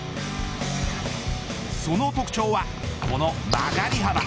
その特徴はこの曲がり幅。